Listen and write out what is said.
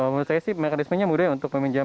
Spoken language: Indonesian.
menurut saya sih mekanismenya mudah untuk meminjam